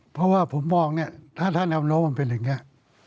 เพราะว่าผมมองเนี่ยถ้าแนวโน้มมันเป็นอย่างนี้